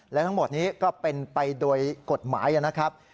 และทั้งหมดนี้ก็เป็นไปโดยกฎหมายนะครับ